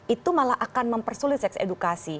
itu malah akan mempersulit seks edukasi